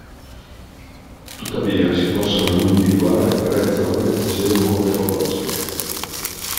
Tuttavia si possono individuare tre zone geomorfologiche.